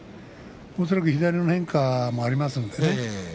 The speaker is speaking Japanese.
恐らく左の変化もありますので。